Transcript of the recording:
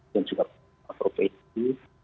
dan juga provinsi